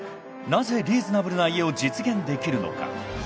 ［なぜリーズナブルな家を実現できるのか］